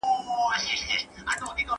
¬ چي بد غواړې، پر بدو به واوړې.